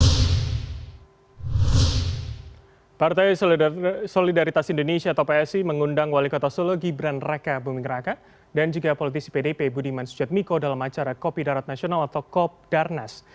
partai solidaritas indonesia atau psi mengundang wali kota solo gibran raka buming raka dan juga politisi pdip budiman sujatmiko dalam acara kopi darat nasional atau kopdarnas